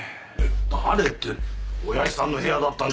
誰って親父さんの部屋だったんじゃないのか？